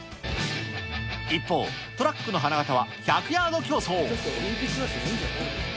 一方、トラックの花形は１００ヤード競走。